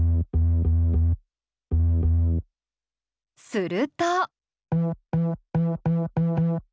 すると。